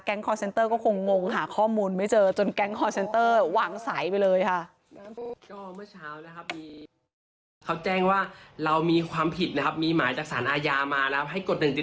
แก๊งคอร์เซ็นเตอร์ก็คงงงหาข้อมูลไม่เจอ